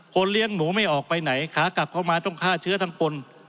เลี้ยงหนูไม่ออกไปไหนขากลับเข้ามาต้องฆ่าเชื้อทั้งคน